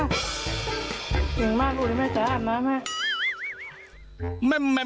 กินมาเลยแม่จ๊ะอาบน้ำละแม่